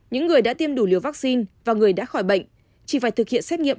những người đã tiêm đủ liều vaccine và người đã khỏi bệnh chỉ phải thực hiện xét nghiệm